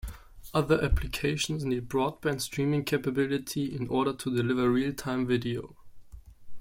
Other applications need broadband streaming capability in order to deliver real-time video.